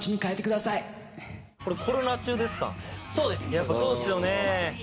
やっぱそうですよね。